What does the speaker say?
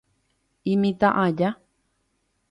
Imitã aja.